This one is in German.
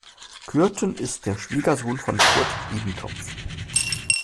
Kürten ist der Schwiegersohn von Kurt Biedenkopf.